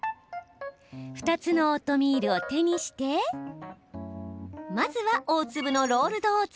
２つのオートミールを手にしてまずは大粒のロールドオーツ。